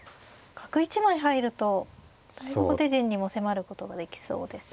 角１枚入るとだいぶ後手陣にも迫ることができそうですし。